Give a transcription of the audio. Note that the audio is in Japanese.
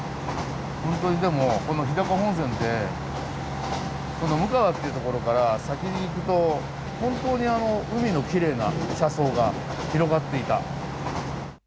ホントにでもこの日高本線って鵡川っていう所から先に行くと本当にあの海のきれいな車窓が広がっていた。